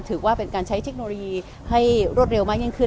ถือว่าเป็นการใช้เทคโนโลยีให้รวดเร็วมากยิ่งขึ้น